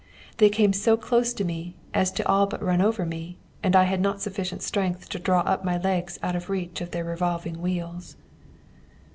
They came so close to me as to all but run over me, and I had not sufficient strength left to draw up my legs out of reach of their revolving wheels.